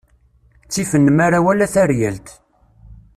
Ttif nnmara wala taryalt.